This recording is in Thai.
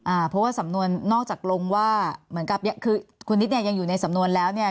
อ่าเพราะว่าสำนวนนอกจากลงว่าเหมือนกับเนี้ยคือคุณนิดเนี่ยยังอยู่ในสำนวนแล้วเนี่ย